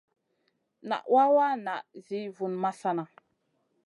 Nan wawa ŋa zi vun masana.